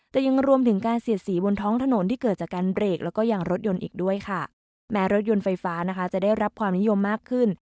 แต่ยังรวมถึงการเสียดสีบนท้องถนนที่เกิดจากการเบรกแล้วก็ยังรถยนต์อีกด้วยค่ะแม้รถยนต์ไฟฟ้านะคะจะได้รับความนิยมมากขึ้น